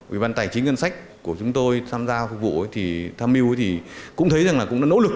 ủy ban tài chính ngân sách của chúng tôi tham gia phục vụ thì tham mưu thì cũng thấy rằng là cũng đã nỗ lực